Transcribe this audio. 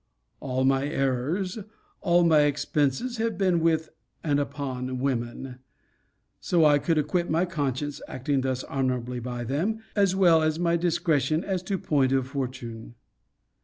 All my errors, all my expenses, have been with and upon women. So I could acquit my conscience (acting thus honourably by them) as well as my discretion as to point of fortune.